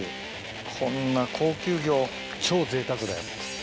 こんな高級魚を超ぜいたくだよ。